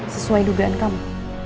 sesuai dugaan kamu